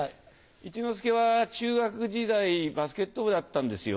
一之輔は中学時代、バスケット部だったんですよ。